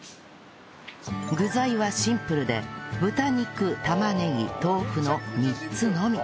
具材はシンプルで豚肉玉ねぎ豆腐の３つのみ